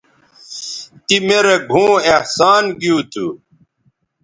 تی می رے گھؤں احسان گیو تھو